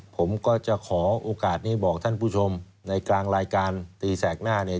ผมก็จะขอโอกาสนี้บอกท่านผู้ชมในกลางรายการตีแสกหน้าเนี่ย